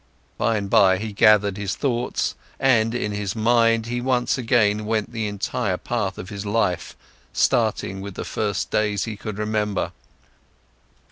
By and by, he gathered his thoughts, and in his mind, he once again went the entire path of his life, starting with the first days he could remember.